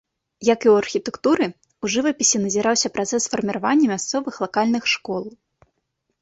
Як і ў архітэктуры, у жывапісе назіраўся працэс фарміравання мясцовых лакальных школ.